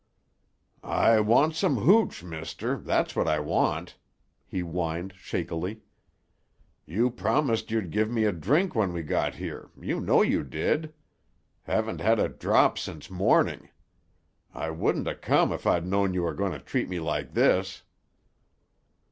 "I want some hooch, mister, that's what I want," he whined shakily. "You promised you'd give me a drink when we got here, you know you did. Haven't had a drop since morning. I wouldn't 'a' come if I'd known you were going to treat me like this."